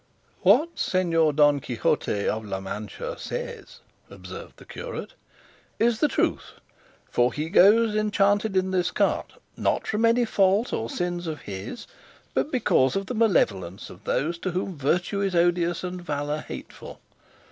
"What Señor Don Quixote of La Mancha says," observed the curate, "is the truth; for he goes enchanted in this cart, not from any fault or sins of his, but because of the malevolence of those to whom virtue is odious and valour hateful.